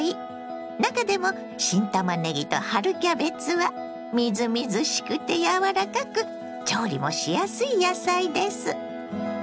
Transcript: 中でも新たまねぎと春キャベツはみずみずしくて柔らかく調理もしやすい野菜です。